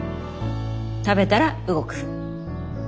食べたら動く。